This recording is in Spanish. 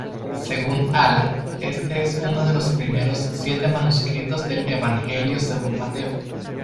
Según Aland este es uno de los primeros siete manuscritos del Evangelio Según Mateo.